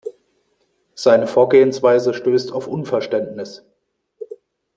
Seine Vorgehensweise stößt auf Unverständnis.